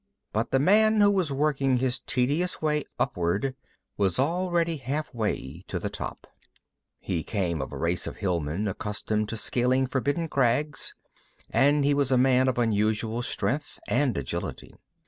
But the man who was working his tedious way upward was already halfway to the top. He came of a race of hillmen, accustomed to scaling forbidding crags, and he was a man of unusual strength and agility.